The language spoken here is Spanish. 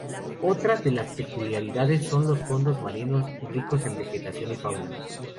Otra de las peculiaridades son los fondos marinos, ricos en vegetación y fauna.